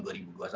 ya ya tentu saja